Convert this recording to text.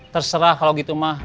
terserah kalo gitu mah